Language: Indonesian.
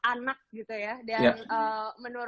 anak gitu ya dan